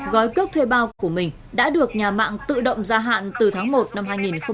gói cước thuê bao của mình đã được nhà mạng tự động gia hạn từ tháng một năm hai nghìn một mươi chín